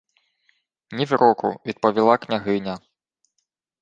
— Нівроку, — відповіла княгиня.